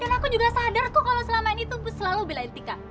dan aku juga sadar kok kalau selama ini selalu belain tika